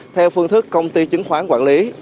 theo phương thức công ty chứng khoán quản lý